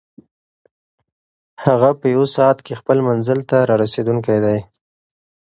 هغه په یوه ساعت کې خپل منزل ته رارسېدونکی دی.